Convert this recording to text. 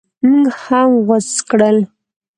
موږ هم غوڅ کړل.